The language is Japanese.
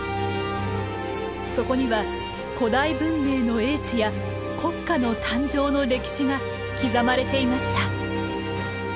そこには古代文明の英知や国家の誕生の歴史が刻まれていました。